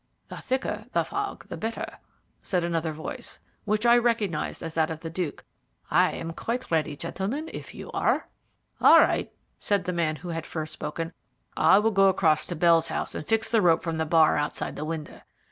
"The thicker the fog the safer," said another voice, which I recognized as that of the Duke. "I am quite ready, gentlemen, if you are." "All right," said the man who had first spoken, "I will go across to Bell's house and fix the rope from the bar outside the window.